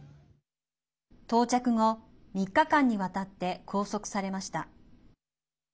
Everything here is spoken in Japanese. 到着後、３日間にわたって拘束されました。